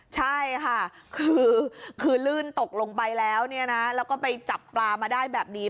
ใช่ค่ะคือลื่นตกลงไปแล้วเนี่ยนะแล้วก็ไปจับปลามาได้แบบนี้